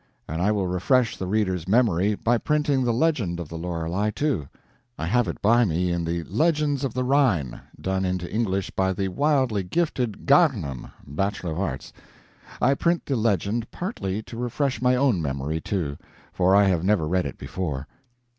And I will refresh the reader's memory by printing the legend of the Lorelei, too. I have it by me in the LEGENDS OF THE RHINE, done into English by the wildly gifted Garnham, Bachelor of Arts. I print the legend partly to refresh my own memory, too, for I have never read it before.